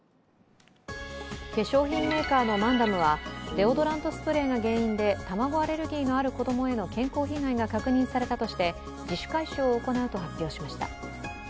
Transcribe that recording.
化粧品メーカーのマンダムは、デオドラントスプレーが原因で卵アレルギーがある子供への健康被害が確認されたとして自主回収を行うと発表しました。